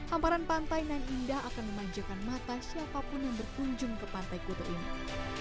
hamparan pantai nan indah akan memanjakan mata siapapun yang berkunjung ke pantai kuta ini